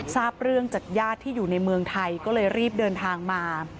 ทราบเรื่องจากญาติที่อยู่ในเมืองไทยก็เลยรีบเดินทางมา